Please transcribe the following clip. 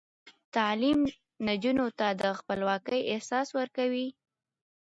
تعلیم نجونو ته د خپلواکۍ احساس ورکوي.